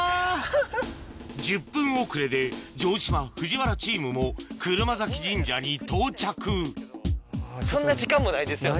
１０分遅れで城島・藤原チームも車折神社に到着そんな時間もないですよ。